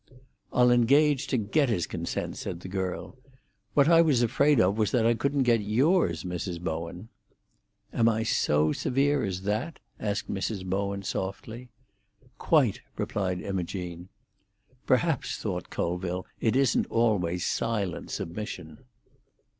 "I'll engage to get his consent," said the girl. "What I was afraid of was that I couldn't get yours, Mrs. Bowen." "Am I so severe as that?" asked Mrs. Bowen softly. "Quite," replied Imogene. "Perhaps," thought Colville, "it isn't always silent submission."